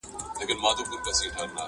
کرۍ ورځ ګرځي د کلیو پر مردارو،